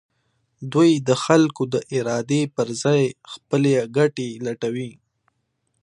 دوی د خلکو د ارادې پر ځای خپلې ګټې لټوي.